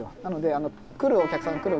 なので来るお客さん